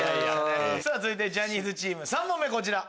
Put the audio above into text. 続いてジャニーズチーム３問目こちら。